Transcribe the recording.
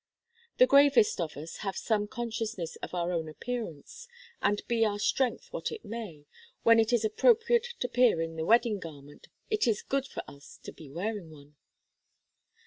The gravest of us have some consciousness of our own appearance, and be our strength what it may, when it is appropriate to appear in the wedding garment, it is good for us to be wearing one.